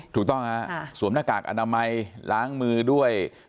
ถูกต้องฮะสวมหน้ากากอนามัยล้างมือด้วย